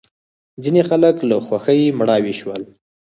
ځینې خلک له خوښۍ مړاوې شول.